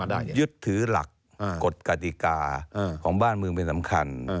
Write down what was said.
พี่น้องบุฏรผมยึดถือหลักกฎกติกาของบ้านเมืองเป็นสำคัญ